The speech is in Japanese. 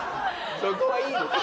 そこはいいですよ。